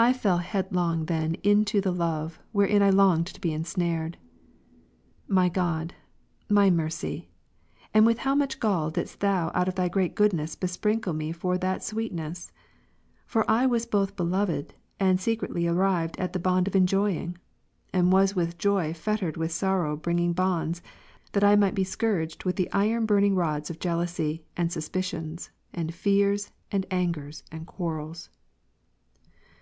I fell headlong then into the love, wherein I longed to be ensnared. My God, my Mercy, with how much gall didst Thou out of Thy great goodness besprinkle for me that sweet ness ? For I was both beloved, and secretly arrived at the bond of enjoying ; and was with joy fettered with sorrow bringing bonds, that I might be scourged with the iron burn ing rods of jealousy, and suspicions, and fears, and angers, and qviarrels.